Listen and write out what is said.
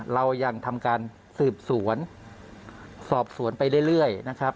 เรายังทำการสืบสวนสอบสวนไปเรื่อยนะครับ